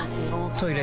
トイレ